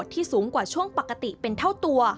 สูงกว่าช่วงปกติเป็นเท่าตัว